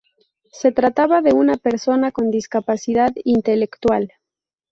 Se trataba de una persona con discapacidad intelectual.